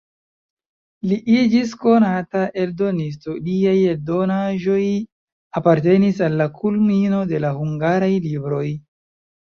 Li iĝis konata eldonisto, liaj eldonaĵoj apartenis al la kulmino de la hungaraj libroj.